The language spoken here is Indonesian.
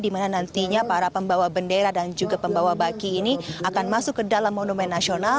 di mana nantinya para pembawa bendera dan juga pembawa baki ini akan masuk ke dalam monumen nasional